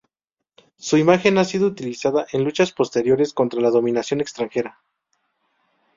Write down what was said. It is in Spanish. Su imagen ha sido utilizada en luchas posteriores contra la dominación extranjera.